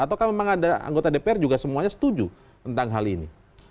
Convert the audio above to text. atau memang ada anggota dpr juga semuanya setuju tentang hal ini